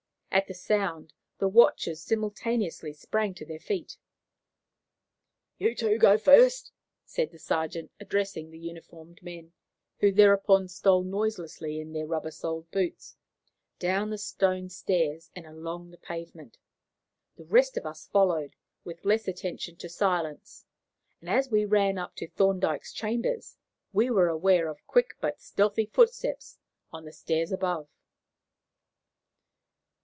At the sound the watchers simultaneously sprang to their feet. "You two go first," said the sergeant, addressing the uniformed men, who thereupon stole noiselessly, in their rubber soled boots, down the stone stairs and along the pavement. The rest of us followed, with less attention to silence, and as we ran up to Thorndyke's chambers, we were aware of quick but stealthy footsteps on the stairs above.